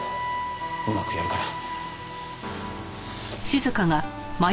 うまくやるから。